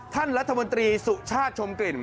ท่านรัฐมนตรีสุชาติชมกลิ่น